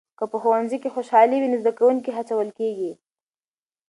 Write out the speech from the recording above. که په ښوونځي کې خوشالي وي نو زده کوونکي هڅول کېږي.